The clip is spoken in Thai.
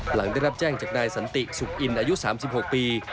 หลังได้รับแจ้งจากนายสันติสุขอินอายุ๓๖ปี